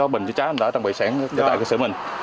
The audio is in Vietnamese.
bình cháy cháy đã tăng bệnh sản tại cơ sở mình